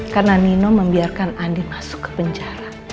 karena nino membiarkan andi masuk ke penjara